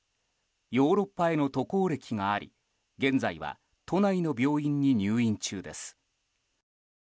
ヨーロッパへの渡航歴があり現在は都内の病院に入院中です。